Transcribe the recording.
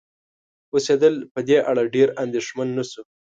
اوسیدل په دې اړه ډېر اندیښمن نشو